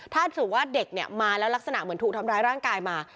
ถ้าสมมุติว่าเด็กเนี่ยมาแล้วลักษณะเหมือนถูกทำร้ายร่างกายมา